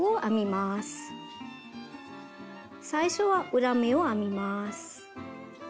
最初は裏目を編みます。